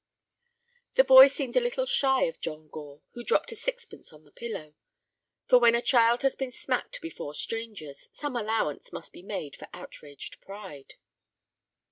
The boy seemed a little shy of John Gore, who dropped a sixpence on the pillow; for when a child has been smacked before strangers, some allowance must be made for outraged pride.